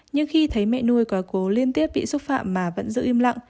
nhưng khi thấy mẹ nuôi có cố liên tiếp bị xúc phạm mà vẫn giữ im lặng